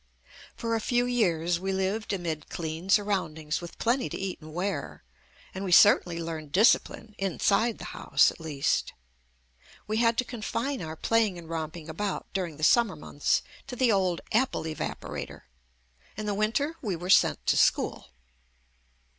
For a few years, we lived amid clean sur roundings with plenty to eat and wear, and we certainly learned discipline inside the house, at least. We had to confine our playing and romp ing about during the summer months to the old "apple evaporator." In the winter, we were sent to school.